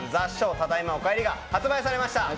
ただいま、おかえり」が発売されました。